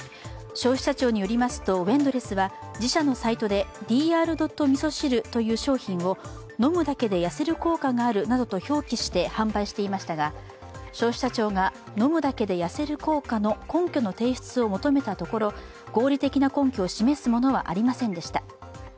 消費者庁によりますと、Ｗ−ＥＮＤＬＥＳＳは自社のサイトでＤｒ．味噌汁という商品を飲むだけで痩せる効果があるなどと表記して、販売していましたが消費者庁が、飲むだけで痩せる効果の根拠の提出を求めたところ、合理的な根拠を示すものはありませんでした。